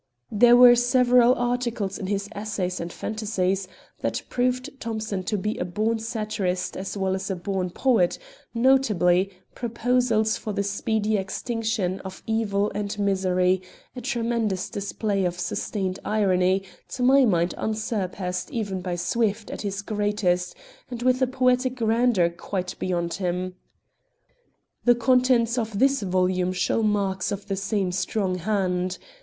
There were several articles in his "Essays and Phantasies" that proved Thomson to be a born satirist as well as a born poet; notably "Proposals for the Speedy Extinction of Evil and Misery," a tremendous display of sustained irony, to my mind unsurpassed even by Swift at his greatest, and with a poetic grandeur quite beyond him. The contents of this volume show marks of the same strong hand.